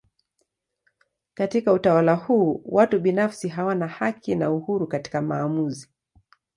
Katika utawala huu watu binafsi hawana haki na uhuru katika maamuzi.